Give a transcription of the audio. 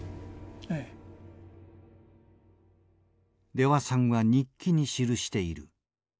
出羽さんは日記に記している。